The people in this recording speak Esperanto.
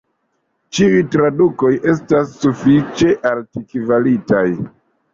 Ĉiuj tradukoj estas sufiĉe altkvalitaj.